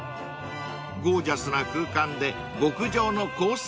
［ゴージャスな空間で極上のコース